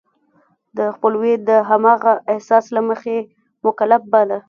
د خپلوی د همدغه احساس له مخې مکلف باله.